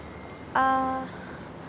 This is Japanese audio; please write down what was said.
ああ。